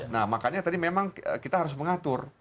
nah makanya tadi memang kita harus mengatur